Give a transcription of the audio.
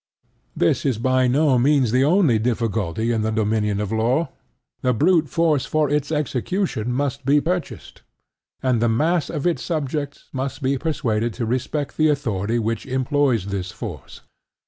This is by no means the only difficulty in the dominion of Law. The brute force for its execution must be purchased; and the mass of its subjects must be persuaded to respect the authority which employs this force.